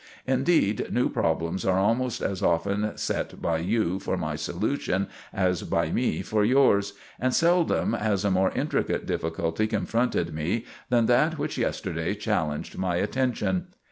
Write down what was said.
Indeed, new problems are almost as often set by you for my solution as by me for yours, and seldom has a more intricate difficulty confronted me than that which yesterday challenged my attention.